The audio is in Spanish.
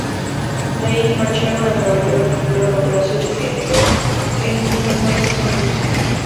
De ahí marcharon a Nueva York, pero la operación degeneró en un fracaso absoluto.